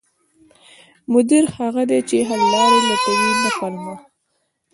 مدیر هغه دی چې حل لارې لټوي، نه پلمه